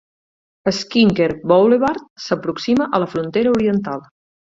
Skinker Boulevard s'aproxima a la frontera oriental.